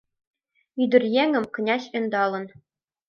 Ӱдыръеҥым князь ӧндалын